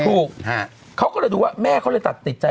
ถูกเขาก็เลยดูว่าแม่เขาเลยตัดสินใจ